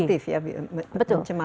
yang mungkin terkolutif ya